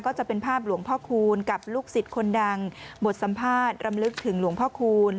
ก็จะเป็นภาพหลวงพ่อคูณกับลูกศิษย์คนดังบทสัมภาษณ์รำลึกถึงหลวงพ่อคูณ